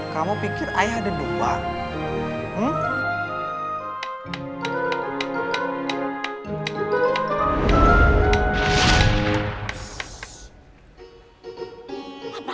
kamu pikir ayah ada dua